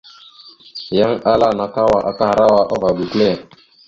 Yan ala : nakawa akahərawa ava gukəle.